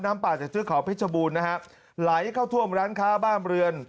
น้ำป่าจากชื่อข่าวพิชบูรณ์นะครับไหลเข้าท่วมร้านค้าบ้ามเรือน